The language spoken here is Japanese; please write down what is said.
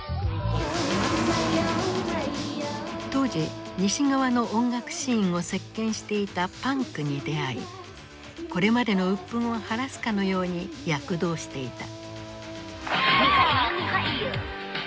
当時西側の音楽シーンを席巻していたパンクに出会いこれまでの鬱憤を晴らすかのように躍動していた。